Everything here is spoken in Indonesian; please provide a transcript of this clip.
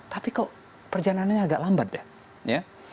tapi kok perjalanannya agak lambat deh